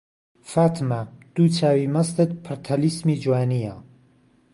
فاتمە دوو چاوی مەستت پڕ تەلیسمی جوانییە